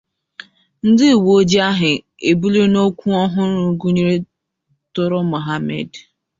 Ndị uweojii ahụ e buliri n'ọkwa ọhụrụ gụnyere Toro Muhammed